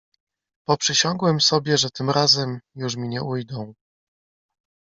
"Poprzysiągłem sobie, że tym razem już mi nie ujdą."